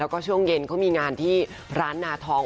แล้วก็ช่วงเย็นเขามีงานที่ร้านนาทอง